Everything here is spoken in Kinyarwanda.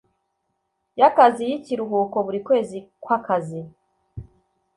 y akazi y ikiruhuko buri kwezi kw akazi